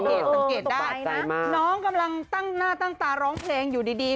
สังเกตได้นะน้องกำลังตั้งหน้าตั้งตาร้องเพลงอยู่ดี